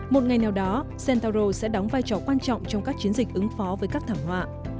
một ngày nào đó centaro sẽ đóng vai trò quan trọng trong các chiến dịch ứng phó với các thảm họa